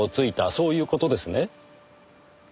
そういう事ですね？